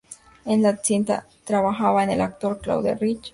En la cinta trabajaba el actor Claude Rich.